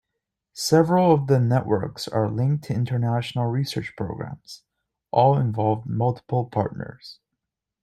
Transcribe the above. Several of the networks are linked to international research programs; all involved multiple partners.